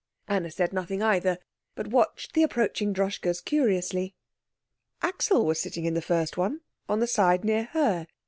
Anna said nothing either, but watched the approaching Droschkes curiously. Axel was sitting in the first one, on the side near her.